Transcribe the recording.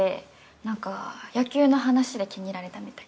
なんか野球の話で気に入られたみたい。